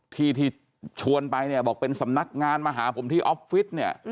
ทีชวนไปบอกเป็นสำนักงานมาหาผมที่ออฟฟิศ